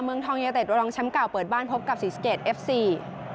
เมืองทองยูเต็ดรองแชมป์เก่าเปิดบ้านพบกับศรีสะเกดเอฟซี